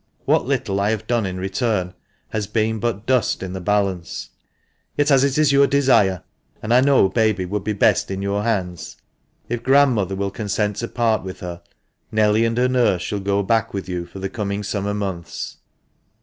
What little I have done in return has been but dust in the balance. Yet as it is your desire, and I know baby would be best in your hands, if grandmother will 446 THE MANCHESTER MAN. consent to part with her, Nelly and her nurse shall go back with you for the coming summer months."